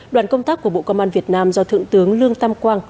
đoàn công tác của bộ công an việt nam do thượng tướng lương tam quang